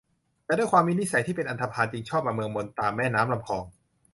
แต่ด้วยความมีนิสัยที่เป็นอันธพาล จึงชอบมาเมืองบนตามแม่น้ำลำคลอง